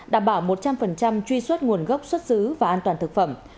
đảm bảo một trăm linh truy xuất nguồn gốc xuất xứ và an toàn thực phẩm